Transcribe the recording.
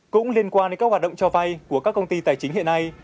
cũng liên quan đến các hoạt động cho vay của các công ty tài chính hiện nay